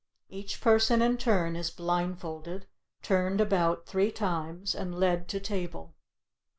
Each person in turn is blindfolded, turned about three times, and led to table.